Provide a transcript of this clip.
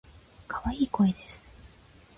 可愛い声です。